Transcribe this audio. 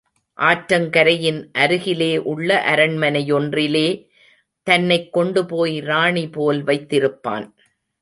ஆற்றங்கரையின் அருகிலே உள்ள அரண்மனையொன்றிலே தன்னைக் கொண்டுபோய் ராணி போல் வைத்திருப்பான்.